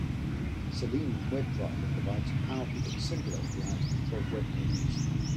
Selenium WebDriver provides a powerful but simple API to control webpages.